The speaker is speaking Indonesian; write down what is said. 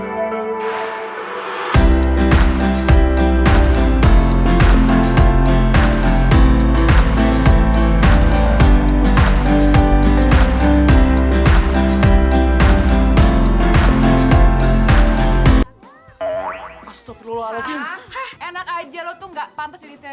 merupakan teman who